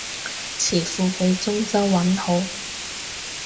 詞庫畀中州韻好